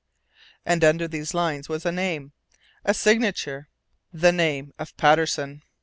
And under these lines was a name, a signature, the name of Patterson!